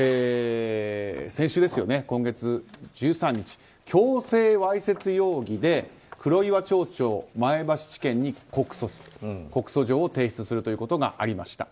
先週の今月１３日強制わいせつ容疑で黒岩町長を前橋地検に告訴する告訴状を提出するということがありました。